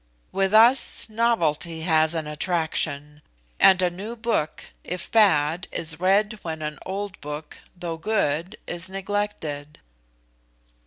"With us, novelty has an attraction; and a new book, if bad, is read when an old book, though good, is neglected."